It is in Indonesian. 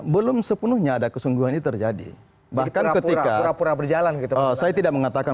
belum sepenuhnya ada kesungguhan terjadi bahkan ketika raporan berjalan gitu saya tidak mengatakan